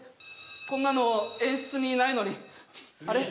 こんなの演出にないのにあれっ